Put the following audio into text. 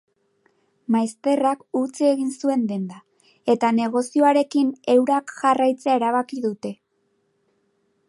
Maizterrak utzi egin zuen denda eta negozioarekin eurak jarraitzea erabaki dute.